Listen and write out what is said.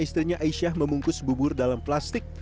istrinya aisyah memungkus bubur dalam plastik